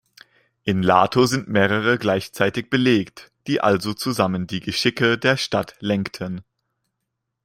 In Lato sind mehrere gleichzeitig belegt, die also zusammen die Geschicke der Stadt lenkten.